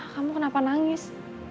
kamu kenapa nangis